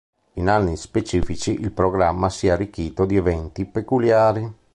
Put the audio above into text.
In anni specifici, il programma si è arricchito di eventi peculiari.